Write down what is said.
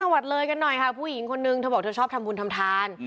สวัสดีค่ะผู้หญิงคนนึงเธอบอกเธอชอบทำบุญทำทาน